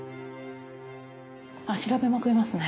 あっ調べまくりますね。